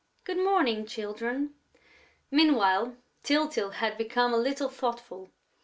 Good morning, children...." Meanwhile, Tyltyl had become a little thoughtful.